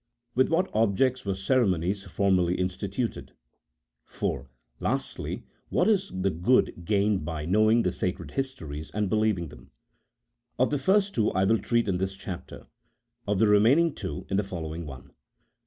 With what objects were ceremonies formerly insti tuted? IV. Lastly, what is the good gained by knowing the sacred histories and believing them ? Of the first two I will treat in this chapter, of the re maining two in the following one.